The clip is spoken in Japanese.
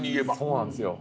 そうなんですよ。